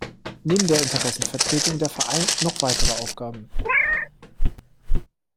Neben der Interessenvertretung der Verein noch weitere Aufgaben.